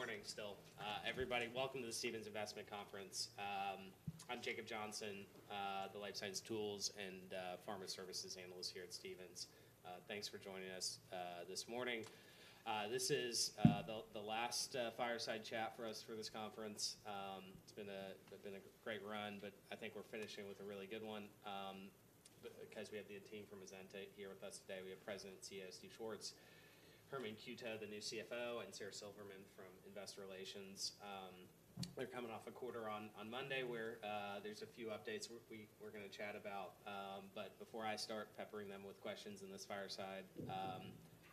All right. Good morning still, everybody. Welcome to the Stephens Investment Conference. I'm Jacob Johnson, the life science tools and pharma services analyst here at Stephens. Thanks for joining us this morning. This is the last fireside chat for us for this conference. It's been a great run, but I think we're finishing with a really good one, because we have the team from Azenta here with us today. We have President and CEO, Stephen Schwartz, Herman Cueto, the new CFO, and Sara Silverman from Investor Relations. They're coming off a quarter on Monday, where there's a few updates we're gonna chat about. But before I start peppering them with questions in this fireside,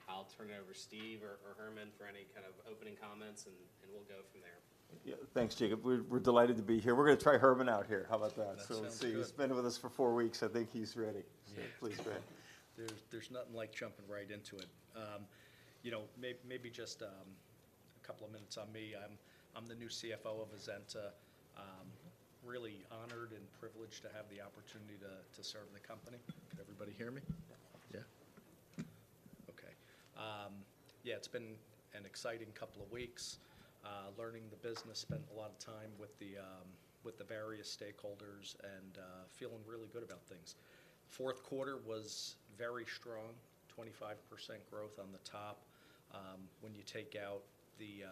I'll turn it over to Steve or Herman for any kind of opening comments, and we'll go from there. Yeah. Thanks, Jacob. We're delighted to be here. We're gonna try Herman out here. How about that? Sounds good. Let's see. He's been with us for four weeks. I think he's ready. Yeah. Please go ahead. There's nothing like jumping right into it. You know, maybe just a couple of minutes on me. I'm the new CFO of Azenta. Really honored and privileged to have the opportunity to serve the company. Can everybody hear me? Yeah. Okay. Yeah, it's been an exciting couple of weeks learning the business. Spent a lot of time with the various stakeholders and feeling really good about things. Fourth quarter was very strong, 25% growth on the top. When you take out the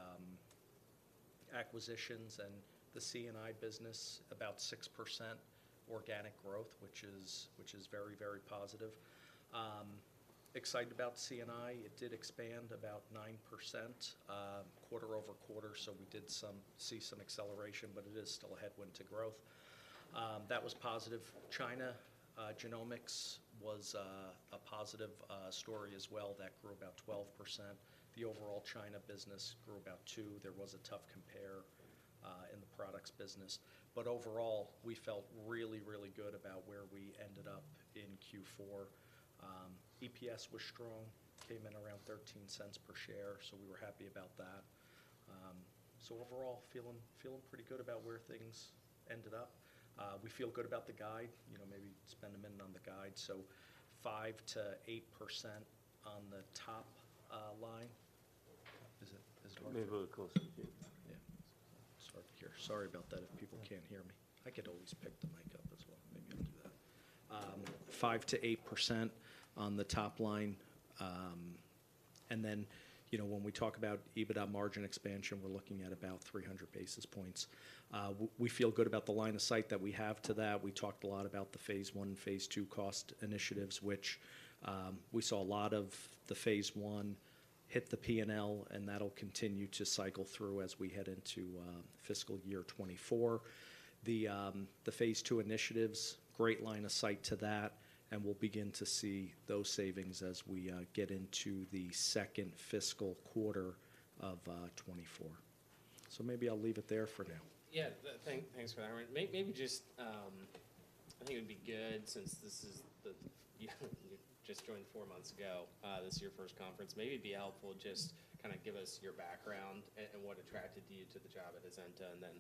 acquisitions and the C&I business, about 6% organic growth, which is very, very positive. Excited about C&I. It did expand about 9%, quarter-over-quarter, so we did see some acceleration, but it is still a headwind to growth. That was positive. China genomics was a positive story as well. That grew about 12%. The overall China business grew about 2%. There was a tough compare in the products business. But overall, we felt really, really good about where we ended up in Q4. EPS was strong, came in around $0.13 per share, so we were happy about that. So overall, feeling pretty good about where things ended up. We feel good about the guide. You know, maybe spend a minute on the guide. So 5%-8% on the top line. Maybe a little closer, yeah. Yeah. Start here. Sorry about that, if people can't hear me. I could always pick the mic up as well. Maybe I'll do that. 5%-8% on the top line. And then, you know, when we talk about EBITDA margin expansion, we're looking at about 300 basis points. We feel good about the line of sight that we have to that. We talked a lot about the Phase One and Phase Two cost initiatives, which we saw a lot of the Phase One hit the P&L, and that'll continue to cycle through as we head into fiscal year 2024. The Phase Two initiatives, great line of sight to that, and we'll begin to see those savings as we get into the second fiscal quarter of 2024. So maybe I'll leave it there for now. Yeah. Thanks, Herman. Maybe just, I think it'd be good, since this is the... You just joined four months ago, this is your first conference, maybe it'd be helpful just kind of give us your background and what attracted you to the job at Azenta, and then,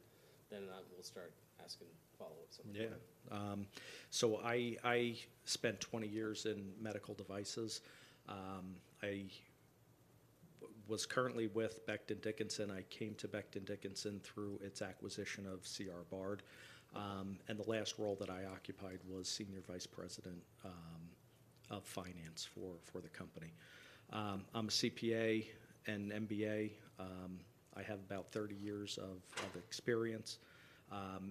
then, we'll start asking follow-up sometime. Yeah. So I spent 20 years in medical devices. I was currently with Becton, Dickinson. I came to Becton, Dickinson through its acquisition of C.R. Bard. And the last role that I occupied was senior vice president of finance for the company. I'm a CPA and MBA. I have about 30 years of experience.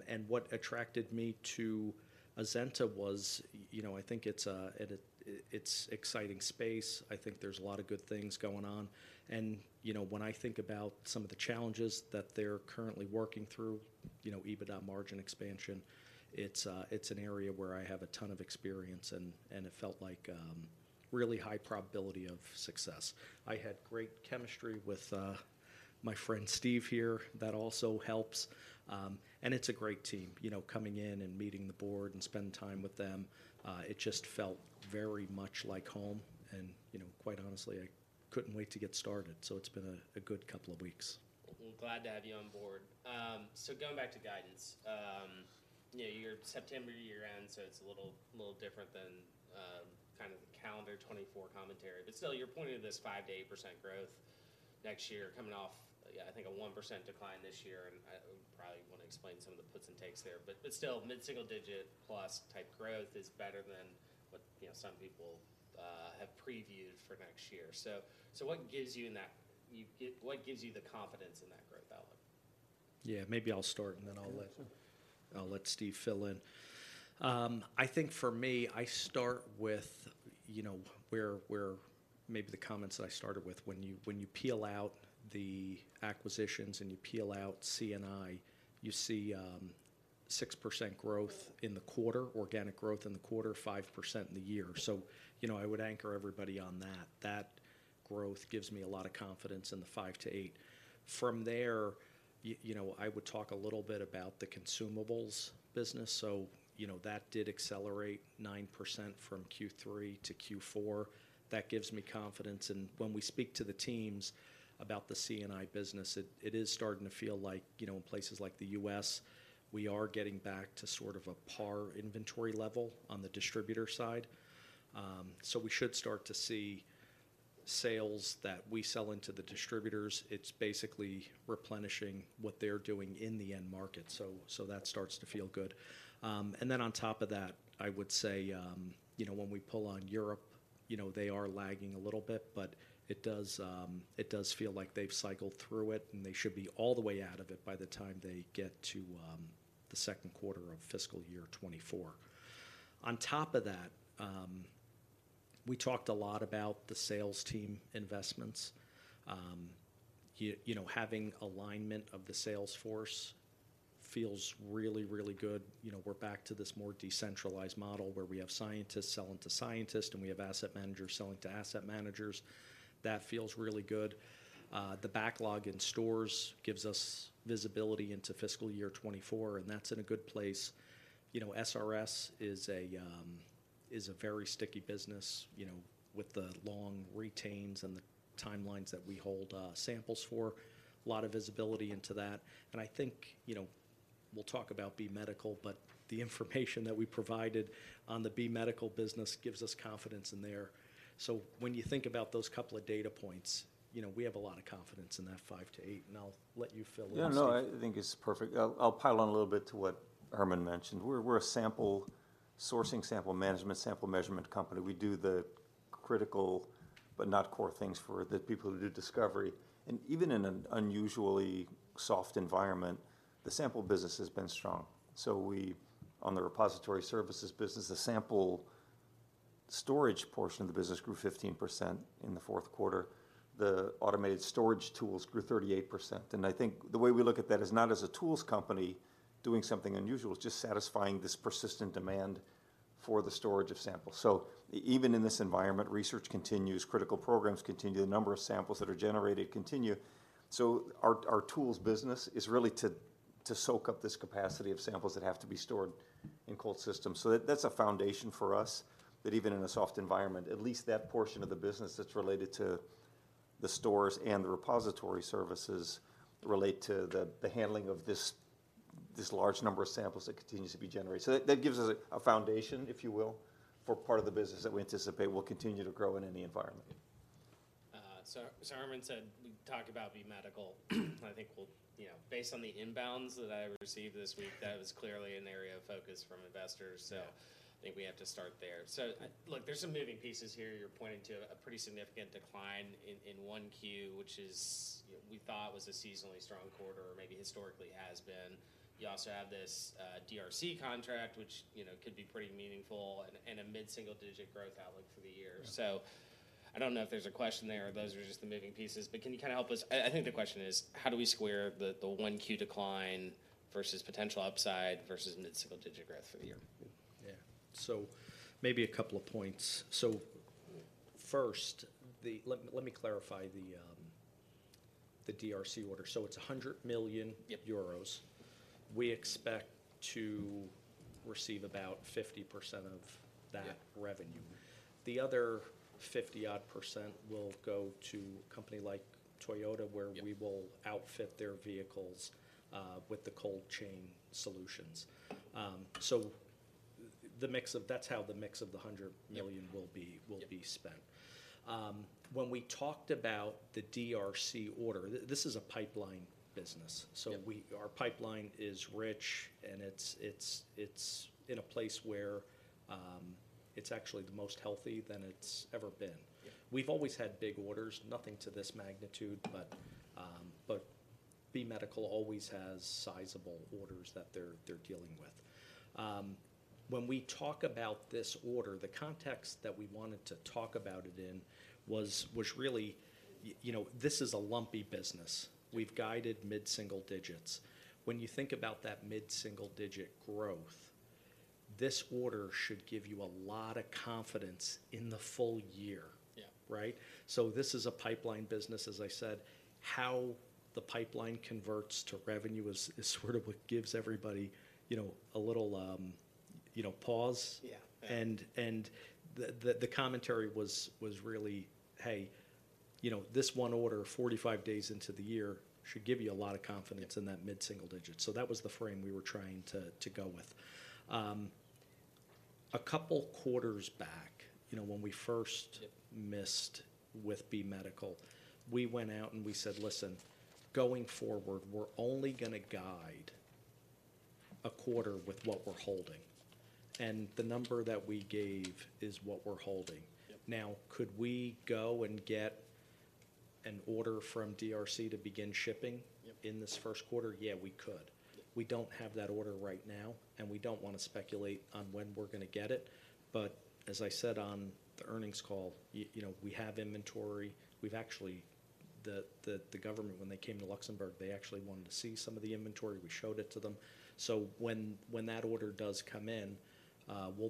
And what attracted me to Azenta was, you know, I think it's an exciting space. I think there's a lot of good things going on. And, you know, when I think about some of the challenges that they're currently working through, you know, EBITDA margin expansion, it's an area where I have a ton of experience and it felt like really high probability of success. I had great chemistry with my friend Steve here. That also helps. It's a great team. You know, coming in and meeting the board and spend time with them, it just felt very much like home, and, you know, quite honestly, I couldn't wait to get started, so it's been a good couple of weeks. Well, glad to have you on board. So going back to guidance, you know, your September year-end, so it's a little, little different than, kind of the calendar 2024 commentary, but still you're pointing to this 5%-8% growth next year coming off, yeah, I think a 1% decline this year, and, probably want to explain some of the puts and takes there. But, but still, mid-single digit plus type growth is better than what, you know, some people, have previewed for next year. So, so what gives you in that-- what gives you the confidence in that growth outlook? Yeah, maybe I'll start, and then I'll let- Okay... I'll let Steve fill in. I think for me, I start with, you know, where, where maybe the comments that I started with, when you, when you peel out the acquisitions and you peel out C&I, you see, 6% growth in the quarter, organic growth in the quarter, 5% in the year. So, you know, I would anchor everybody on that. That growth gives me a lot of confidence in the 5%-8%. From there, you know, I would talk a little bit about the consumables business. So, you know, that did accelerate 9% from Q3 to Q4. That gives me confidence, and when we speak to the teams about the C&I business, it, it is starting to feel like, you know, in places like the U.S., we are getting back to sort of a par inventory level on the distributor side. So we should start to see sales that we sell into the distributors; it's basically replenishing what they're doing in the end market. So, so that starts to feel good. And then on top of that, I would say, you know, when we pull on Europe, you know, they are lagging a little bit, but it does, it does feel like they've cycled through it, and they should be all the way out of it by the time they get to the second quarter of fiscal year 2024. On top of that, we talked a lot about the sales team investments. You know, having alignment of the sales force feels really, really good. You know, we're back to this more decentralized model, where we have scientists selling to scientists, and we have asset managers selling to asset managers. That feels really good. The backlog in stores gives us visibility into fiscal year 2024, and that's in a good place. You know, SRS is a very sticky business, you know, with the long retains and the timelines that we hold samples for. A lot of visibility into that, and I think, you know, we'll talk about B Medical, but the information that we provided on the B Medical business gives us confidence in there. So when you think about those couple of data points, you know, we have a lot of confidence in that 5 to 8, and I'll let you fill in- Yeah, no, I think it's perfect. I'll, I'll pile on a little bit to what Herman mentioned. We're, we're a sample sourcing sample management, sample measurement company. We do the critical, but not core things for the people who do discovery. And even in an unusually soft environment, the sample business has been strong. So we, on the repository services business, the sample storage portion of the business grew 15% in the fourth quarter. The automated storage tools grew 38%, and I think the way we look at that is not as a tools company doing something unusual, it's just satisfying this persistent demand for the storage of samples. So even in this environment, research continues, critical programs continue, the number of samples that are generated continue. So our tools business is really to soak up this capacity of samples that have to be stored in cold systems. So that's a foundation for us that even in a soft environment, at least that portion of the business that's related to the stores and the repository services relate to the handling of this large number of samples that continues to be generated. So that gives us a foundation, if you will, for part of the business that we anticipate will continue to grow in any environment. So, Herman said, we talked about B Medical. I think we'll... You know, based on the inbounds that I received this week, that is clearly an area of focus from investors. Yeah... so I think we have to start there. So, look, there's some moving pieces here. You're pointing to a pretty significant decline in one Q, which is, you know, we thought was a seasonally strong quarter or maybe historically has been. You also have this DRC contract, which, you know, could be pretty meaningful and a mid-single digit growth outlook for the year. Yeah. So I don't know if there's a question there, or those are just the moving pieces, but can you kind of help us? I, I think the question is: How do we square the, the 1Q decline versus potential upside versus mid-single-digit growth for the year? Yeah. So maybe a couple of points. So first, the... Let me, let me clarify the, the DRC order. So it's 100 million- Yep... euros. We expect to receive about 50% of that- Yeah - revenue. The other 50-odd% will go to a company like Toyota- Yep... where we will outfit their vehicles with the cold chain solutions. So the mix of—that's how the mix of the 100 million- Yep... will be, will be spent. When we talked about the DRC order, this is a pipeline business. Yeah. So, our pipeline is rich, and it's in a place where it's actually the most healthy than it's ever been. Yeah. We've always had big orders, nothing to this magnitude, but, but B Medical always has sizable orders that they're dealing with. When we talk about this order, the context that we wanted to talk about it in was really, you know, this is a lumpy business. We've guided mid-single digits. When you think about that mid-single digit growth, this order should give you a lot of confidence in the full year. Yeah. Right? So this is a pipeline business, as I said. How the pipeline converts to revenue is sort of what gives everybody, you know, a little, you know, pause. Yeah. The commentary was really, "Hey, you know, this one order, 45 days into the year, should give you a lot of confidence in that mid-single digits." So that was the frame we were trying to go with. A couple quarters back, you know, when we first- Yep... missed with B Medical, we went out and we said: Listen, going forward, we're only gonna guide a quarter with what we're holding, and the number that we gave is what we're holding. Yep. Now, could we go and get an order from DRC to begin shipping- Yep... in this first quarter? Yeah, we could. Yep. We don't have that order right now, and we don't wanna speculate on when we're gonna get it. But as I said on the earnings call, you know, we have inventory. We've actually. The government, when they came to Luxembourg, they actually wanted to see some of the inventory. We showed it to them. So when that order does come in, we'll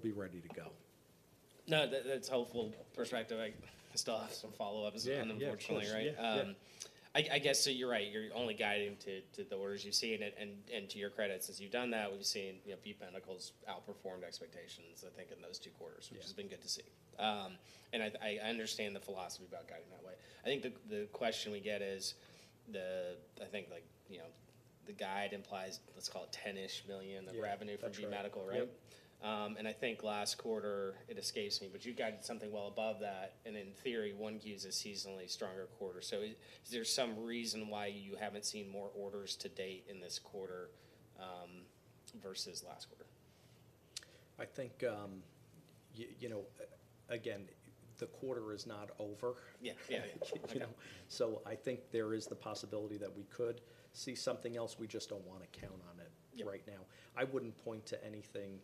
be ready to go. No, that's helpful perspective. I still have some follow-ups- Yeah, yeah... unfortunately, right? Yeah, yeah. I guess, so you're right. You're only guiding to the orders you're seeing, and to your credit, since you've done that, we've seen, you know, B Medical's outperformed expectations, I think, in those two quarters- Yeah... which has been good to see. I understand the philosophy about guiding that way. I think the question we get is, I think, like, you know, the guide implies, let's call it $10-ish million- Yeah... of revenue for B Medical, right? Yep. And I think last quarter, it escapes me, but you guided something well above that, and in theory, one gives a seasonally stronger quarter. So is there some reason why you haven't seen more orders to date in this quarter, versus last quarter?... I think, you know, again, the quarter is not over. Yeah, yeah, I know. So I think there is the possibility that we could see something else. We just don't wanna count on it- Yeah... right now. I wouldn't point to anything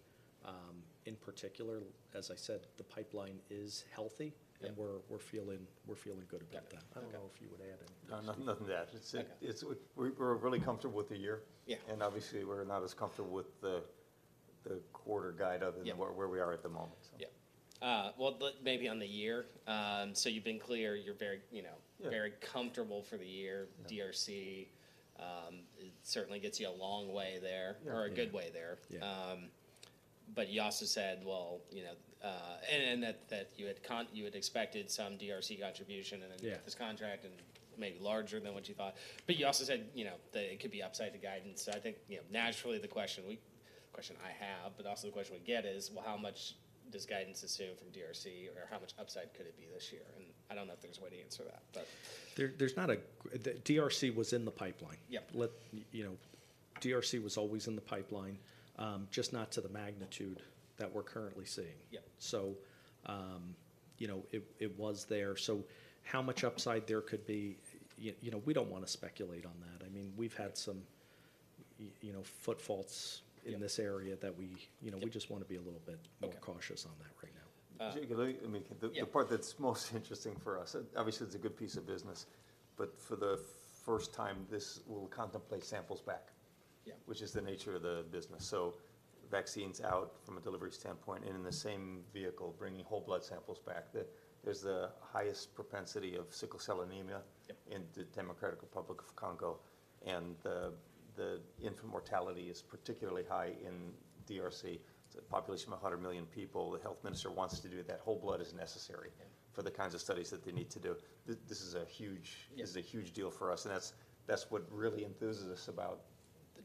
in particular. As I said, the pipeline is healthy- Yeah - and we're feeling good about that. Okay. I don't know if you would add anything. No, nothing to add. Okay. We're really comfortable with the year. Yeah. Obviously, we're not as comfortable with the quarter guide other than- Yeah... where we are at the moment, so. Yeah. Well, but maybe on the year, so you've been clear, you're very, you know- Yeah... very comfortable for the year. DRC, it certainly gets you a long way there- Yeah... or a good way there. Yeah. But you also said, well, you know, and that you had expected some DRC contribution, and then- Yeah... this contract, and maybe larger than what you thought. But you also said, you know, that it could be upside to guidance. So I think, you know, naturally, the question I have, but also the question we get is, well, how much does guidance assume from DRC, or how much upside could it be this year? And I don't know if there's a way to answer that, but... The DRC was in the pipeline. Yep. You know, DRC was always in the pipeline, just not to the magnitude that we're currently seeing. Yep. So, you know, it was there. So how much upside there could be? You know, we don't wanna speculate on that. I mean, we've had some, you know, foot faults- Yeah ... in this area that we, you know- Yeah... we just wanna be a little bit- Okay... more cautious on that right now. Uh- I mean, the- Yeah... the part that's most interesting for us, obviously, it's a good piece of business, but for the first time, this will contemplate samples back- Yeah... which is the nature of the business. So vaccines out from a delivery standpoint, and in the same vehicle, bringing whole blood samples back. There's the highest propensity of sickle cell anemia- Yeah... in the Democratic Republic of Congo, and the infant mortality is particularly high in DRC. It's a population of 100 million people. The health minister wants to do that. Whole blood is necessary- Yeah... for the kinds of studies that they need to do. This is a huge- Yeah... this is a huge deal for us, and that's, that's what really enthuses us about-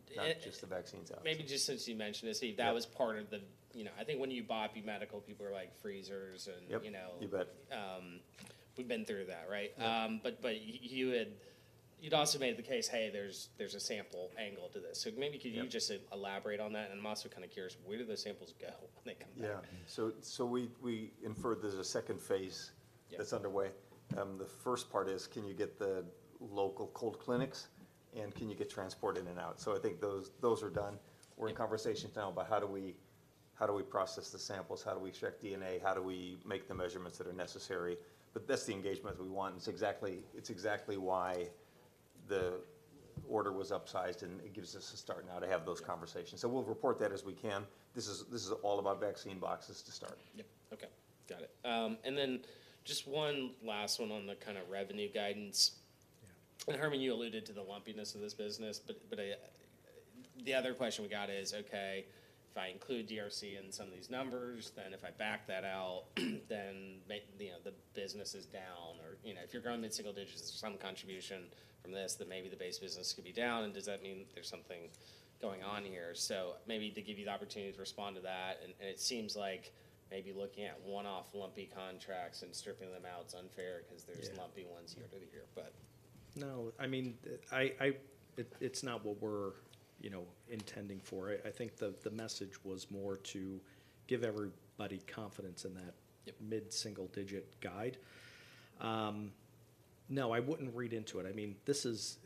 The-... not just the vaccines out. Maybe just since you mentioned it, Steve- Yeah... that was part of the... You know, I think when you buy B Medical, people are like, freezers, and- Yep... you know. You bet. We've been through that, right? Yeah. But you'd also made the case, hey, there's a sample angle to this. So maybe, could you- Yeah... just elaborate on that? I'm also kind of curious, where do those samples go when they come back? Yeah. So we inferred there's a second phase- Yeah... that's underway. The first part is, can you get the local cold clinics, and can you get transport in and out? So I think those, those are done. Yeah. We're in conversations now about how do we process the samples? How do we extract DNA? How do we make the measurements that are necessary? But that's the engagement we want, and it's exactly, it's exactly why the order was upsized, and it gives us a start now to have those conversations. So we'll report that as we can. This is, this is all about vaccine boxes to start. Yep. Okay, got it. And then just one last one on the kind of revenue guidance. Yeah. And Herman, you alluded to the lumpiness of this business, but, but, the other question we got is, okay, if I include DRC in some of these numbers, then if I back that out, then may-- you know, the business is down. Or, you know, if you're growing mid-single digits, there's some contribution from this, then maybe the base business could be down, and does that mean there's something going on here? So maybe to give you the opportunity to respond to that, and, and it seems like maybe looking at one-off lumpy contracts and stripping them out is unfair because there's- Yeah... lumpy ones year to year, but. No, I mean, I—it's not what we're, you know, intending for it. I think the message was more to give everybody confidence in that mid-single digit guide. No, I wouldn't read into it. I mean, this is...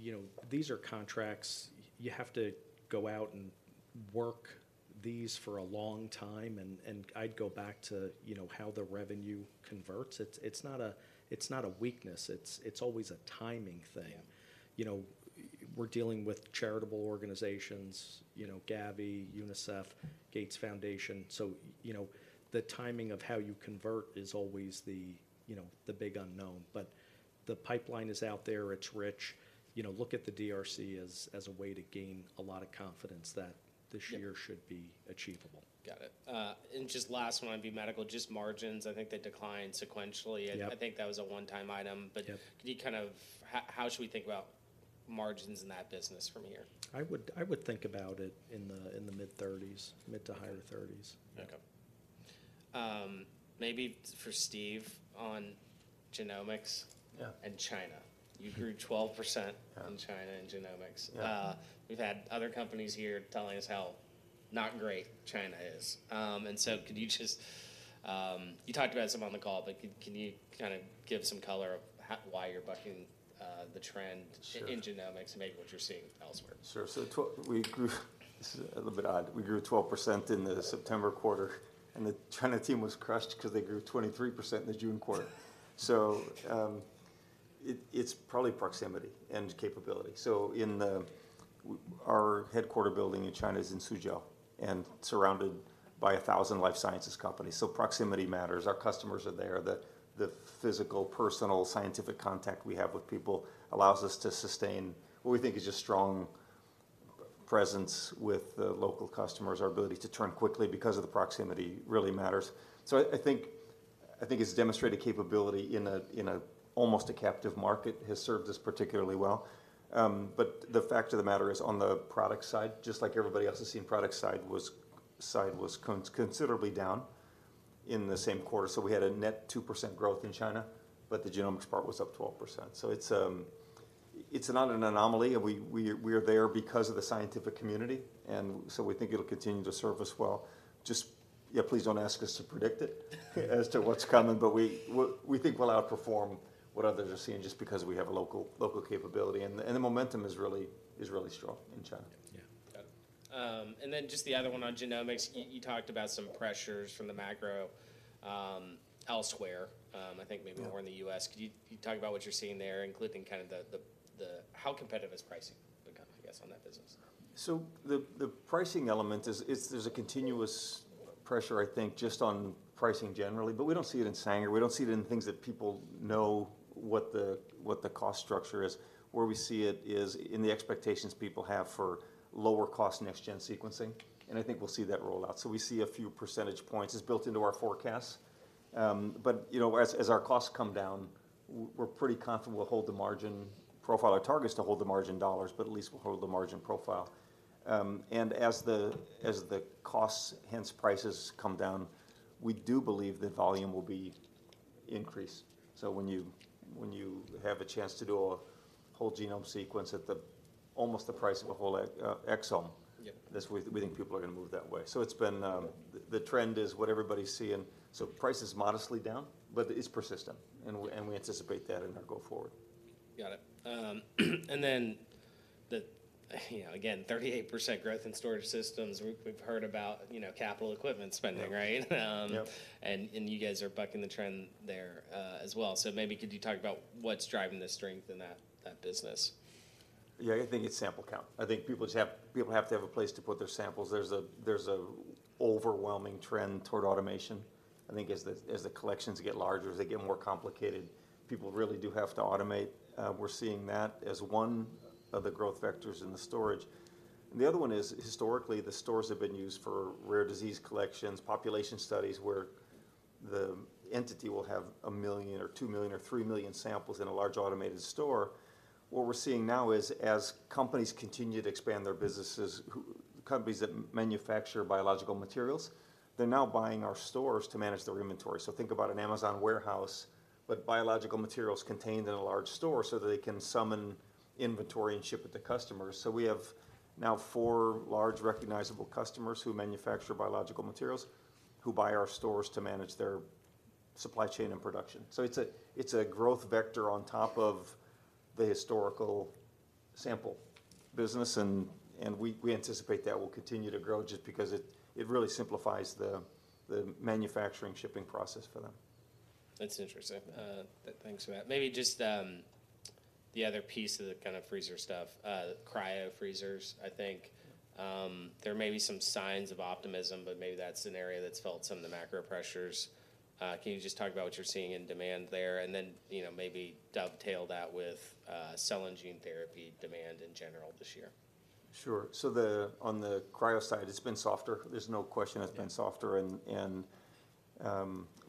you know, these are contracts. You have to go out and work these for a long time, and I'd go back to, you know, how the revenue converts. It's not a weakness. It's always a timing thing. Yeah. You know, we're dealing with charitable organizations, you know, Gavi, UNICEF, Gates Foundation. So, you know, the timing of how you convert is always the, you know, the big unknown. But the pipeline is out there. It's rich. You know, look at the DRC as, as a way to gain a lot of confidence that this year- Yeah... should be achievable. Got it. And just last one, B Medical, just margins, I think they declined sequentially. Yep. I think that was a one-time item. Yeah. Could you kind of... How, how should we think about margins in that business from here? I would think about it in the mid-30s, mid- to higher 30s. Okay. Maybe for Steve on genomics- Yeah... and China. You grew 12%- Yeah... in China, in Genomics. Yeah. We've had other companies here telling us how not great China is. And so could you just, you talked about some on the call, but can you kind of give some color of how, why you're bucking the trend- Sure... in genomics and maybe what you're seeing elsewhere? Sure. So we grew—This is a little bit odd. We grew 12% in the September quarter, and the China team was crushed because they grew 23% in the June quarter. So, it's probably proximity and capability. So in the—Our headquarters building in China is in Suzhou and surrounded by 1,000 life sciences companies, so proximity matters. Our customers are there. The physical, personal, scientific contact we have with people allows us to sustain what we think is a strong presence with the local customers. Our ability to turn quickly because of the proximity really matters. So I think it's demonstrated capability in an almost captive market has served us particularly well. But the fact of the matter is, on the product side, just like everybody else has seen, product side was considerably down in the same quarter, so we had a net 2% growth in China, but the genomics part was up 12%. So it's not an anomaly, and we're there because of the scientific community, and so we think it'll continue to serve us well. Just, yeah, please don't ask us to predict it as to what's coming, but we think we'll outperform what others are seeing just because we have a local capability, and the momentum is really strong in China. Yeah. And then just the other one on Genomics, you talked about some pressures from the macro, elsewhere, I think maybe- Yeah... more in the US. Could you talk about what you're seeing there, including kind of the... How competitive has pricing become, I guess, on that business? So the pricing element is, it's there's a continuous pressure, I think, just on pricing generally, but we don't see it in Sanger. We don't see it in things that people know what the cost structure is. Where we see it is in the expectations people have for lower cost next-gen sequencing, and I think we'll see that roll out. So we see a few percentage points. It's built into our forecast, but, you know, as our costs come down, we're pretty confident we'll hold the margin profile. Our target is to hold the margin dollars, but at least we'll hold the margin profile. And as the costs, hence prices, come down, we do believe the volume will be increased. So when you have a chance to do a whole genome sequence at almost the price of a whole exome- Yeah... that's we, we think people are gonna move that way. So it's been. The trend is what everybody's seeing. So price is modestly down, but it's persistent, and we anticipate that in our go forward. Got it. And then, you know, again, 38% growth in storage systems. We've heard about, you know, capital equipment spending, right? Yep. And you guys are bucking the trend there, as well. So maybe could you talk about what's driving the strength in that business? Yeah, I think it's sample count. I think people just have—people have to have a place to put their samples. There's an overwhelming trend toward automation. I think as the collections get larger, as they get more complicated, people really do have to automate. We're seeing that as one of the growth vectors in the storage, and the other one is, historically, the stores have been used for rare disease collections, population studies, where the entity will have 1 million or 2 million or 3 million samples in a large automated store. What we're seeing now is, as companies continue to expand their businesses, companies that manufacture biological materials, they're now buying our stores to manage their inventory. So think about an Amazon warehouse, but biological materials contained in a large store so that they can summon inventory and ship it to customers. So we have now four large, recognizable customers who manufacture biological materials, who buy our stores to manage their supply chain and production. So it's a growth vector on top of the historical sample business, and we anticipate that will continue to grow just because it really simplifies the manufacturing shipping process for them. That's interesting. Thanks for that. Maybe just the other piece of the kind of freezer stuff, cryo freezers, I think there may be some signs of optimism, but maybe that's an area that's felt some of the macro pressures. Can you just talk about what you're seeing in demand there? And then, you know, maybe dovetail that with Cell and Gene Therapy demand in general this year. Sure. So the, on the cryo side, it's been softer. There's no question it's been softer- Yeah...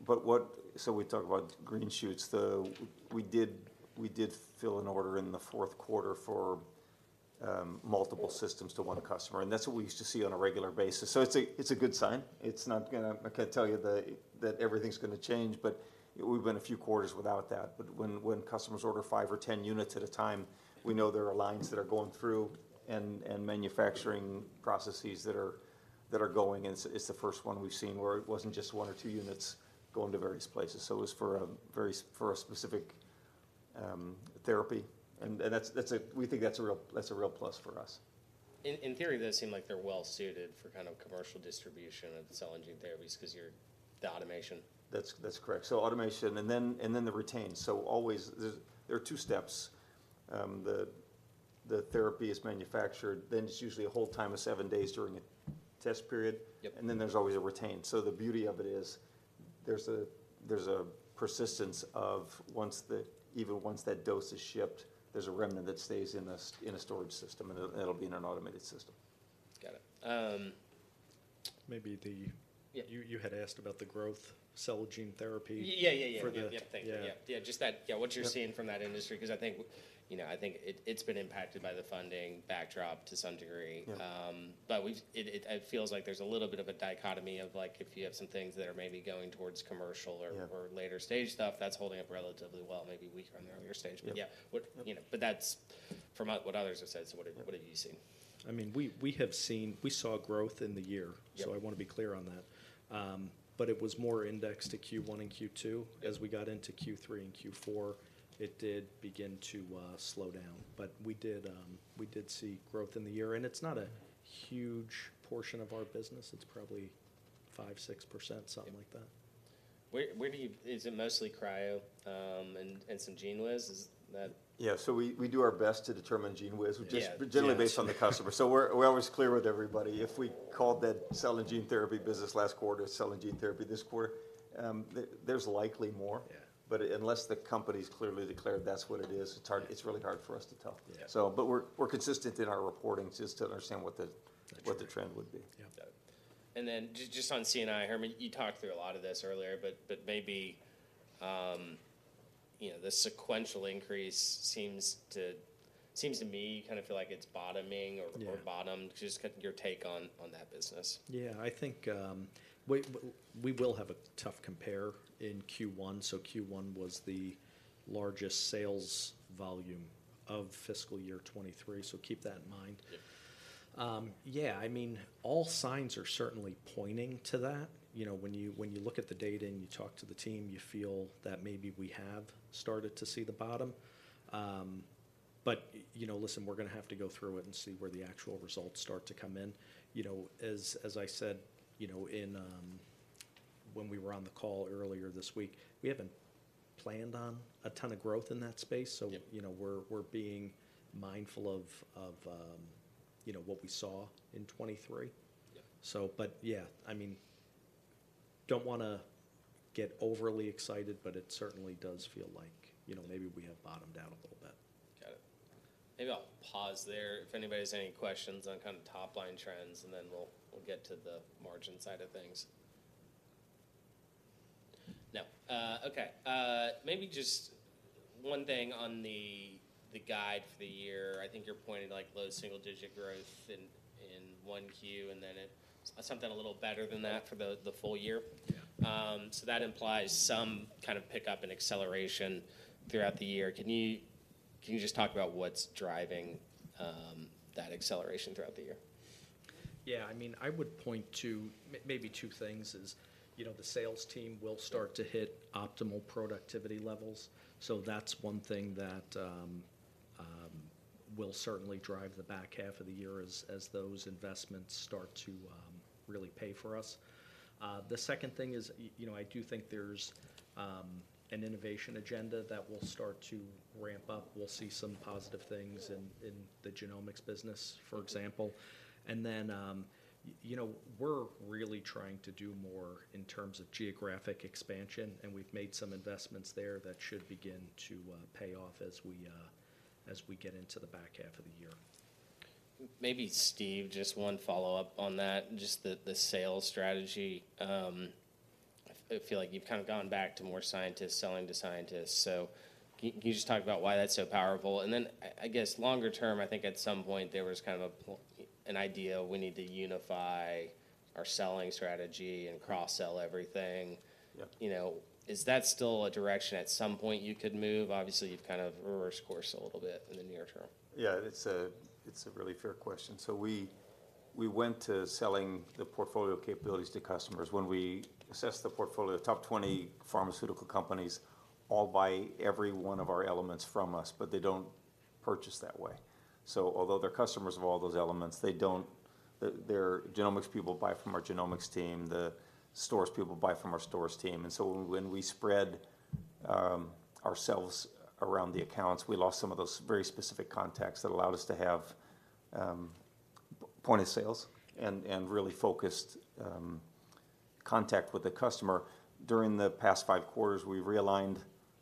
but what— So we talk about green shoots, the... We did fill an order in the fourth quarter for multiple systems to one customer, and that's what we used to see on a regular basis. So it's a good sign. It's not gonna... I can't tell you that everything's gonna change, but we've been a few quarters without that. But when customers order 5 or 10 units at a time, we know there are lines that are going through and manufacturing processes that are going, and it's the first one we've seen where it wasn't just 1 or 2 units going to various places. So it was for a very specific therapy, and that's a... We think that's a real plus for us. In theory, those seem like they're well suited for kind of commercial distribution of the cell and gene therapies 'cause you're the automation. That's correct. So automation, and then the retain. So always, there are two steps. The therapy is manufactured, then it's usually a whole time of seven days during a test period. Yep. Then there's always a retain. So the beauty of it is there's a persistence of even once that dose is shipped. There's a remnant that stays in a storage system, and it'll be in an automated system. Got it. Maybe the- Yeah. You had asked about the growth, cell gene therapy- Yeah, yeah, yeah… for the— Yep, thank you. Yeah. Yeah, just that, yeah. Yep... what you're seeing from that industry, 'cause I think, you know, I think it, it's been impacted by the funding backdrop to some degree. Yeah. But we've... it feels like there's a little bit of a dichotomy of, like, if you have some things that are maybe going towards commercial or- Yeah... or later stage stuff, that's holding up relatively well, maybe weaker on the earlier stage. Yep. But yeah, what, you know, but that's from what others have said. So what are, what have you seen? I mean, we have seen... We saw growth in the year- Yep... so I wanna be clear on that. But it was more indexed to Q1 and Q2. As we got into Q3 and Q4, it did begin to slow down. But we did, we did see growth in the year, and it's not a huge portion of our business. It's probably 5%-6%, something like that. Yeah. Where do you... Is it mostly cryo, and some GENEWIZ? Is that- Yeah, so we do our best to determine GENEWIZ- Yeah... just generally based on the customer. So we're, we're always clear with everybody. If we called that Cell and Gene Therapy business last quarter, Cell and Gene Therapy this quarter, there's likely more. Yeah. But unless the company's clearly declared that's what it is, it's hard, it's really hard for us to tell. Yeah. So, but we're consistent in our reporting just to understand what the- Got you... what the trend would be. Yeah. And then just on C&I, Herman, you talked through a lot of this earlier, but, but maybe, you know, the sequential increase seems to, seems to me, kind of feel like it's bottoming or- Yeah or bottomed. Just your take on, on that business. Yeah, I think we will have a tough compare in Q1. Q1 was the largest sales volume of fiscal year 2023, so keep that in mind. Yeah. Yeah, I mean, all signs are certainly pointing to that. You know, when you look at the data and you talk to the team, you feel that maybe we have started to see the bottom. But you know, listen, we're gonna have to go through it and see where the actual results start to come in. You know, as I said, when we were on the call earlier this week, we haven't planned on a ton of growth in that space. Yeah. You know, we're being mindful of, you know, what we saw in 2023. Yeah. Yeah, I mean, don't wanna get overly excited, but it certainly does feel like, you know, maybe we have bottomed out a little bit. Go t it. Maybe I'll pause there if anybody has any questions on kind of top-line trends, and then we'll get to the margin side of things. No. Okay. Maybe just one thing on the guide for the year. I think you're pointing to, like, low single-digit growth in 1Q, and then something a little better than that for the full year. Yeah. So that implies some kind of pickup and acceleration throughout the year. Can you, can you just talk about what's driving, that acceleration throughout the year? Yeah, I mean, I would point to maybe two things is, you know, the sales team will start to hit optimal productivity levels. So that's one thing that will certainly drive the back half of the year as those investments start to really pay for us. The second thing is, you know, I do think there's an innovation agenda that will start to ramp up. We'll see some positive things in the Genomics business, for example. And then, you know, we're really trying to do more in terms of geographic expansion, and we've made some investments there that should begin to pay off as we get into the back half of the year. Maybe, Steve, just one follow-up on that, just the sales strategy. I feel like you've kind of gone back to more scientists selling to scientists. So can you just talk about why that's so powerful? And then I guess longer term, I think at some point there was kind of an idea we need to unify our selling strategy and cross-sell everything. Yeah. You know, is that still a direction at some point you could move? Obviously, you've kind of reverse course a little bit in the near term. Yeah, it's a really fair question. So we went to selling the portfolio capabilities to customers. When we assessed the portfolio, the top 20 pharmaceutical companies all buy every one of our elements from us, but they don't purchase that way. So although they're customers of all those elements, they don't. Their genomics people buy from our genomics team, the stores people buy from our stores team. And so when we spread ourselves around the accounts, we lost some of those very specific contacts that allowed us to have point of sales and really focused contact with the customer. During the past five quarters, we've realigned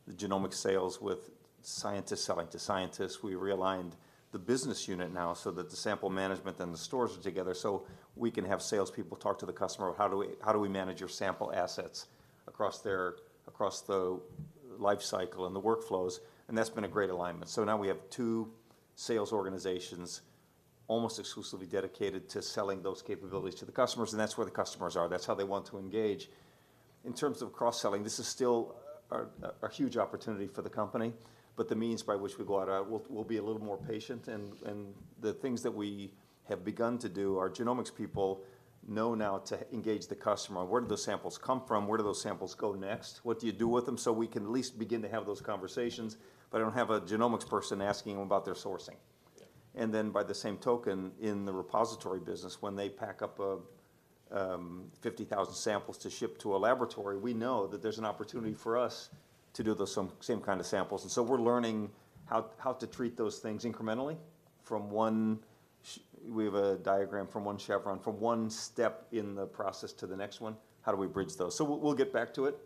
the genomic sales with scientists selling to scientists. We realigned the business unit now so that the Sample Management and the Stores are together, so we can have salespeople talk to the customer about how do we manage your sample assets across the lifecycle and the workflows, and that's been a great alignment. So now we have two sales organizations almost exclusively dedicated to selling those capabilities to the customers, and that's where the customers are. That's how they want to engage. In terms of cross-selling, this is still a huge opportunity for the company, but the means by which we go about it, we'll be a little more patient, and the things that we have begun to do. Our Genomics people know now to engage the customer. Where do those samples come from? Where do those samples go next? What do you do with them? We can at least begin to have those conversations, but I don't have a genomics person asking them about their sourcing. Yeah. Then, by the same token, in the repository business, when they pack up a 50,000 samples to ship to a laboratory, we know that there's an opportunity for us to do those same, same kind of samples. So we're learning how, how to treat those things incrementally from one. We have a diagram from one chevron, from one step in the process to the next one. How do we bridge those? We'll, we'll get back to it,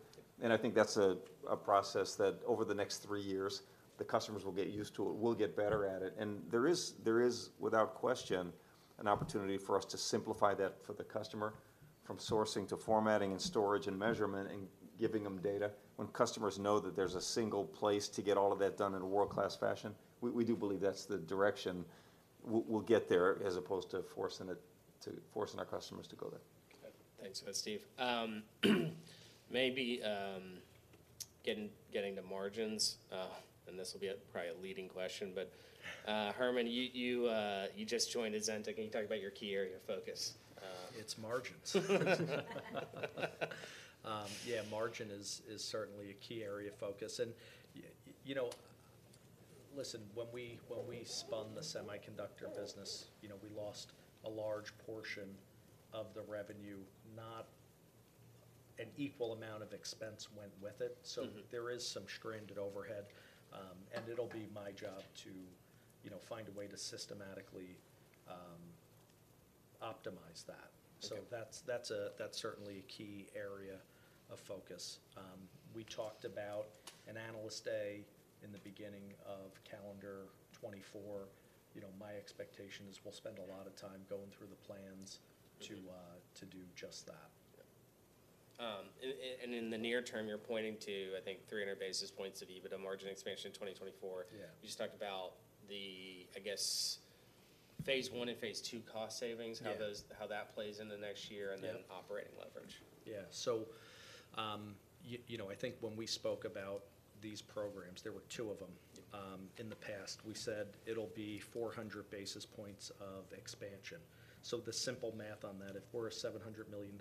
and I think that's a process that over the next three years, the customers will get used to it. We'll get better at it. There is, there is, without question, an opportunity for us to simplify that for the customer, from sourcing to formatting and storage and measurement and giving them data. When customers know that there's a single place to get all of that done in a world-class fashion, we do believe that's the direction we'll get there, as opposed to forcing our customers to go there. Okay. Thanks for that, Steve. Maybe getting to margins, and this will be probably a leading question, but Herman, you just joined Azenta. Can you talk about your key area of focus? It's margins. Yeah, margin is certainly a key area of focus. And you know, listen, when we spun the semiconductor business, you know, we lost a large portion of the revenue. Not an equal amount of expense went with it- Mm-hmm... so there is some stranded overhead, and it'll be my job to, you know, find a way to systematically optimize that. Okay. So that's certainly a key area of focus. We talked about, in the beginning of calendar 2024, you know, my expectation is we'll spend a lot of time going through the plans to do just that. In the near term, you're pointing to, I think, 300 basis points of EBITDA margin expansion in 2024. Yeah. You just talked about the, I guess, phase one and phase two cost savings- Yeah how that plays into next year- Yeah and then operating leverage. Yeah. So, you know, I think when we spoke about these programs, there were two of them. Yep. In the past, we said it'll be 400 basis points of expansion. So the simple math on that, if we're a $700 million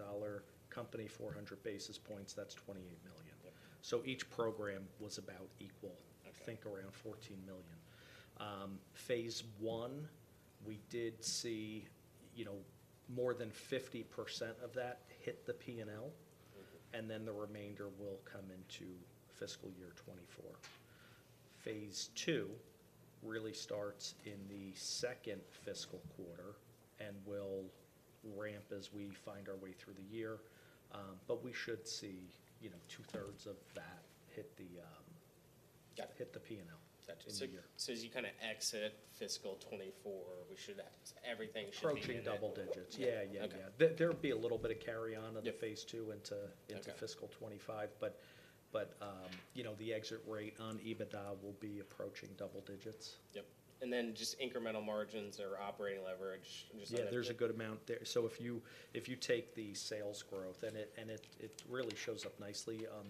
company, 400 basis points, that's $28 million. Yeah. Each program was about equal. Okay. I think around $14 million. Phase one, we did see, you know, more than 50% of that hit the P&L- Okay... and then the remainder will come into fiscal year 2024. Phase two really starts in the second fiscal quarter and will ramp as we find our way through the year. But we should see, you know, two-thirds of that hit the Got it... hit the P&L. Got you. In a year. So, as you kind of exit fiscal 2024, everything should be- Approaching double digits. Okay. Yeah, yeah, yeah. There, there'll be a little bit of carry on- Yeah in the phase two into- Okay... into fiscal 2025, but, you know, the exit rate on EBITDA will be approaching double digits. Yep, and then just incremental margins or operating leverage, just- Yeah, there's a good amount there. So if you take the sales growth, and it really shows up nicely on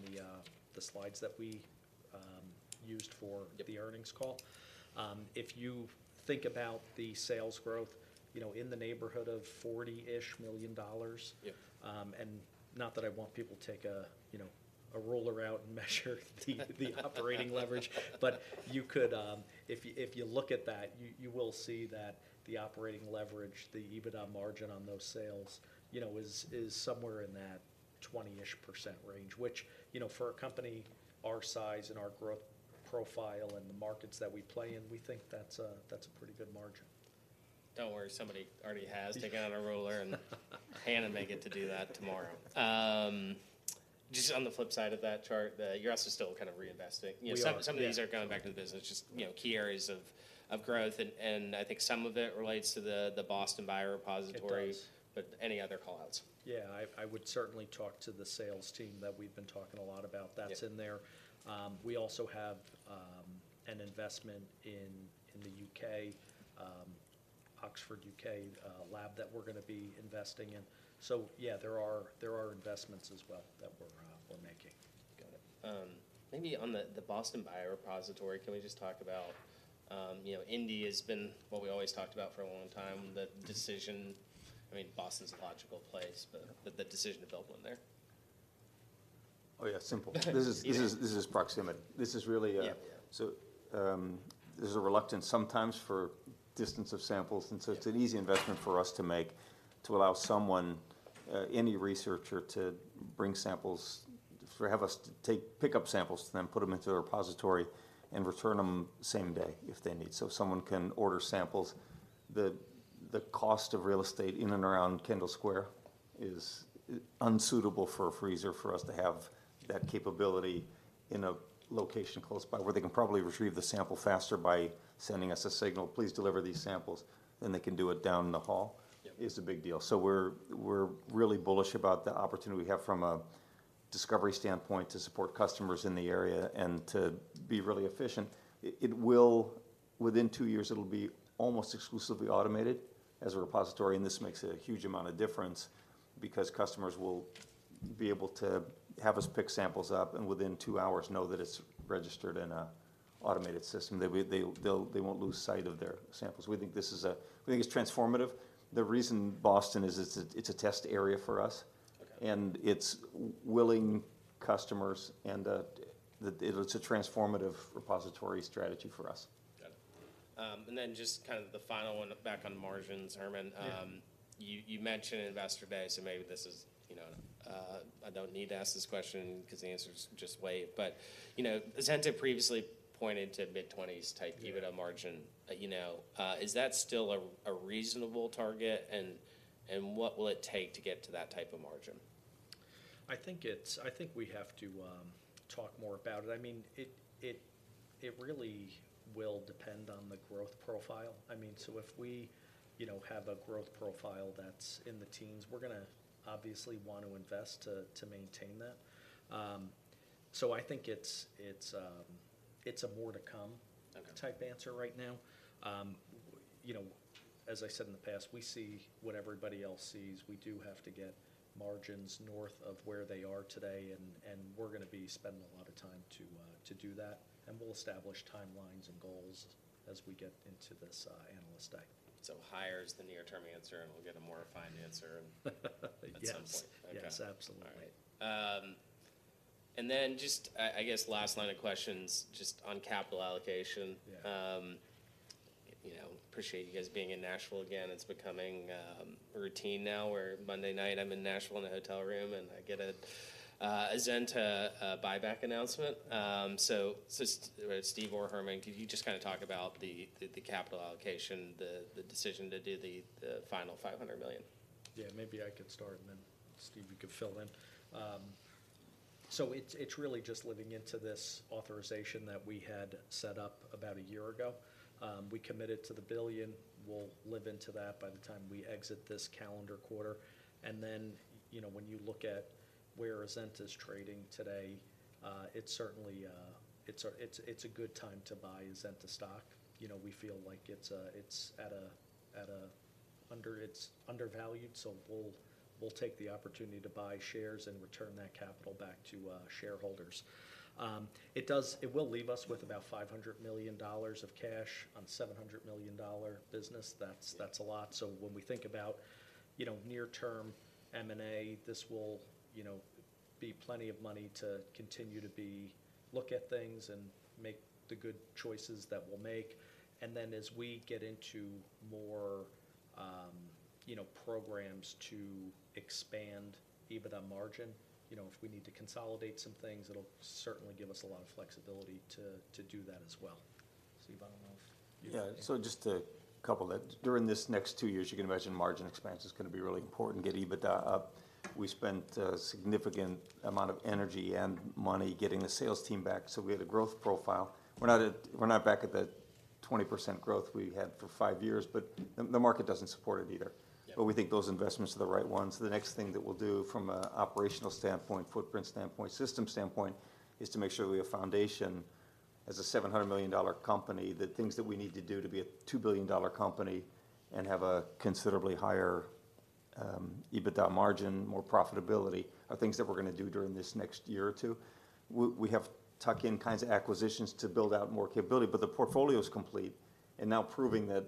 the slides that we used for- Yep... the earnings call. If you think about the sales growth, you know, in the neighborhood of $40-ish million. Yeah. And not that I want people to take a, you know, a ruler out and measure the operating leverage, but you could, if you look at that, you will see that the operating leverage, the EBITDA margin on those sales, you know, is somewhere in that 20-ish% range, which, you know, for a company our size and our growth profile and the markets that we play in, we think that's a pretty good margin. Don't worry, somebody already has taken out a ruler and pen, and they get to do that tomorrow. Just on the flip side of that chart, you're also still kind of reinvesting. We are. You know, some of these are going back to the business, just, you know, key areas of growth, and I think some of it relates to the Boston Biorepository. It does. Any other call-outs? Yeah, I would certainly talk to the sales team that we've been talking a lot about. Yep. That's in there. We also have an investment in the U.K., Oxford, U.K., lab that we're gonna be investing in. So yeah, there are investments as well that we're making. Got it. Maybe on the Boston Biorepository, can we just talk about, you know, Indy has been what we always talked about for a long time. The decision, I mean, Boston's a logical place, but the decision to build one there? Oh, yeah, simple. This is, this is, this is proximity. This is really, Yeah. So, there's a reluctance sometimes for distance of samples, and so it's an easy investment for us to make to allow someone, any researcher, to bring samples, to have us pick up samples for them, put them into a repository, and return them same day if they need. So someone can order samples. The cost of real estate in and around Kendall Square is unsuitable for a freezer for us to have that capability in a location close by, where they can probably retrieve the sample faster by sending us a signal, "Please deliver these samples," than they can do it down the hall. Yeah. It's a big deal. So we're really bullish about the opportunity we have from a discovery standpoint to support customers in the area and to be really efficient. It will. Within two years, it'll be almost exclusively automated as a repository, and this makes a huge amount of difference because customers will be able to have us pick samples up, and within two hours, know that it's registered in an automated system, that they'll, they won't lose sight of their samples. We think this is. We think it's transformative. The reason Boston is, it's a test area for us. Okay. And it's with willing customers, and it's a transformative repository strategy for us. Got it. And then just kind of the final one, back on margins, Herman. Yeah. You mentioned Investor Day, so maybe this is, you know, I don't need to ask this question because the answer is just wait. But, you know, Azenta previously pointed to mid-20s type- Yeah... EBITDA margin. You know, is that still a reasonable target, and what will it take to get to that type of margin? I think we have to talk more about it. I mean, it really will depend on the growth profile. I mean, so if we, you know, have a growth profile that's in the teens, we're gonna obviously want to invest to maintain that. So I think it's a more to come- Okay... type answer right now. You know, as I said in the past, we see what everybody else sees. We do have to get margins north of where they are today, and we're gonna be spending a lot of time to do that, and we'll establish timelines and goals as we get into this analyst day. Higher is the near-term answer, and we'll get a more refined answer at some point. Yes. Okay. Yes, absolutely. All right. And then just, I guess last line of questions, just on capital allocation. Yeah. You know, appreciate you guys being in Nashville again. It's becoming a routine now, where Monday night, I'm in Nashville in a hotel room, and I get a Azenta buyback announcement. So Steve or Herman, could you just kind of talk about the capital allocation, the decision to do the final $500 million?... Yeah, maybe I could start, and then Steve, you could fill in. So it's really just living into this authorization that we had set up about a year ago. We committed to the $1 billion. We'll live into that by the time we exit this calendar quarter. And then, you know, when you look at where Azenta is trading today, it's certainly... it's a good time to buy Azenta stock. You know, we feel like it's at an undervalued, so we'll take the opportunity to buy shares and return that capital back to shareholders. It will leave us with about $500 million of cash on $700 million business. That's a lot. So when we think about, you know, near-term M&A, this will, you know, be plenty of money to continue to be-- look at things and make the good choices that we'll make. And then, as we get into more, you know, programs to expand EBITDA margin, you know, if we need to consolidate some things, it'll certainly give us a lot of flexibility to, to do that as well. Steve, I don't know if you- Yeah. So just to couple that, during this next two years, you can imagine margin expense is gonna be really important, get EBITDA up. We spent a significant amount of energy and money getting the sales team back, so we had a growth profile. We're not at-- we're not back at that 20% growth we had for 5 years, but the, the market doesn't support it either. Yeah. We think those investments are the right ones. The next thing that we'll do from a operational standpoint, footprint standpoint, system standpoint, is to make sure we have foundation as a $700 million company. The things that we need to do to be a $2 billion company and have a considerably higher EBITDA margin, more profitability, are things that we're gonna do during this next year or two. We, we have tuck-in kinds of acquisitions to build out more capability, but the portfolio is complete, and now proving that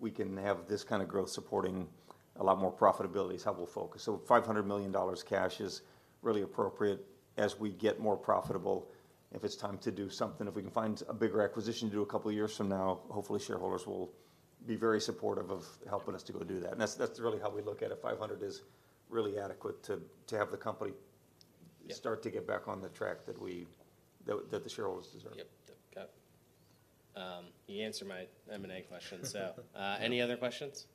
we can have this kind of growth supporting a lot more profitability is how we'll focus. So $500 million cash is really appropriate as we get more profitable. If it's time to do something, if we can find a bigger acquisition to do a couple of years from now, hopefully shareholders will be very supportive of helping us to go do that. That's, that's really how we look at it. $500 is really adequate to, to have the company- Yeah... start to get back on the track that we, the shareholders deserve. Yep. Got it. You answered my M&A question. So, any other questions?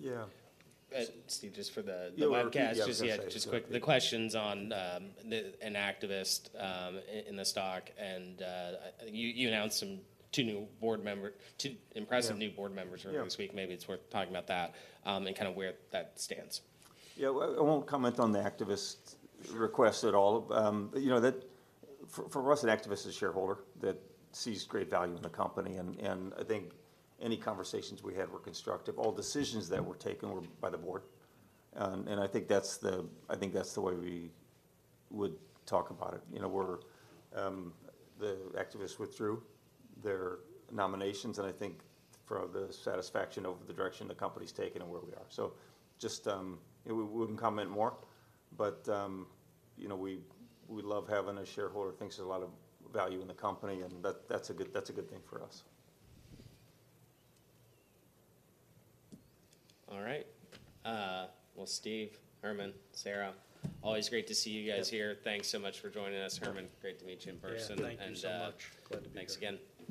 So, yeah. Can you just sort of talk about kind of, Obviously, you've had an activist involved- Yeah... and there's been some resolution, I guess- Yeah to some extent. Can you kind of give us an update on kind of what is where that stands and kind of what the, you know, what was kind of their objective to try? Yeah. Steve, just for the webcast. Yeah. Just, yeah, just quick, the questions on an activist in the stock, and you announced some two new board member - two impressive- Yeah... new board members earlier this week. Yeah. Maybe it's worth talking about that, and kind of where that stands. Yeah. Well, I won't comment on the activist request at all. You know, for us, an activist is a shareholder that sees great value in the company, and I think any conversations we had were constructive. All decisions that were taken were by the board, and I think that's the way we would talk about it. You know, the activists withdrew their nominations, and I think for the satisfaction over the direction the company's taken and where we are. So just yeah, we wouldn't comment more, but you know, we love having a shareholder who thinks there's a lot of value in the company, and that's a good thing for us. All right. Well, Steve, Herman, Sara, always great to see you guys here. Yeah. Thanks so much for joining us. Herman, great to meet you in person. Yeah, thank you so much. And, uh- Glad to be here. Thanks again.